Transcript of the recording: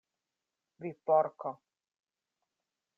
"Vi Porko!"